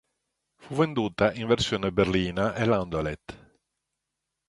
Fu venduta in versione berlina e landaulet.